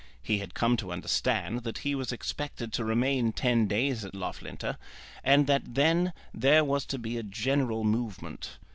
He had come to understand that he was expected to remain ten days at Loughlinter, and that then there was to be a general movement.